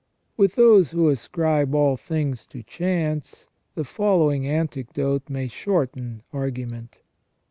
With those who ascribe all things to chance, the following anecdote may shorten argument.